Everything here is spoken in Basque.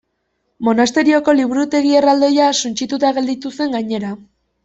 Monasterioko liburutegi erraldoia suntsitua gelditu zen gainera.